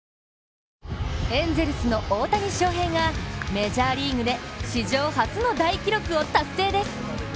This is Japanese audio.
ＪＴエンゼルスの大谷翔平がメジャーリーグで史上初の大記録を達成です。